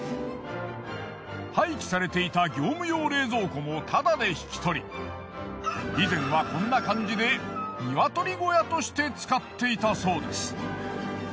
廃棄されていた業務用冷蔵庫もタダで引き取り以前はこんな感じで鶏小屋として使っていたそうです。